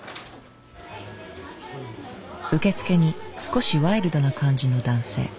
受付に少しワイルドな感じの男性。